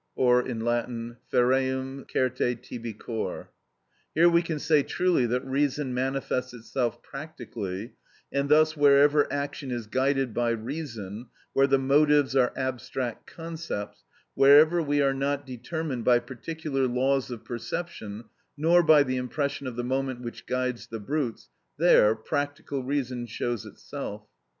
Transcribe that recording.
(ferreum certe tibi cor), Il. 24, 521. Here we can say truly that reason manifests itself practically, and thus wherever action is guided by reason, where the motives are abstract concepts, wherever we are not determined by particular ideas of perception, nor by the impression of the moment which guides the brutes, there practical reason shows itself.